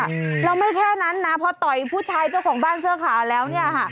แล้วไม่แค่นั้นนะพอต่อยผู้ชายเจ้าของบ้านเสื้อขาวแล้วเนี่ยค่ะ